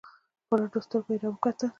په رډو سترگو يې راوکتل.